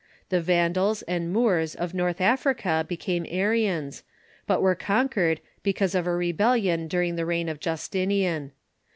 The Vandals and Moors of North Africa became Arians, but were conquered, because of a re bellion during the reign of Justinian.